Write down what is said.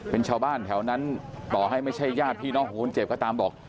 เป็นชาวบ้านแถวนั้นต่อให้ไม่ใช่ญาติพี่น้องของคนเจ็บก็ตามบอก